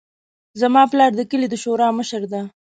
زما پلار د کلي د شورا مشر ده